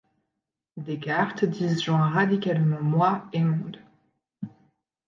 Descartes disjoint radicalement Moi et monde.